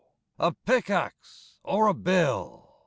A pickaxe, or a bill!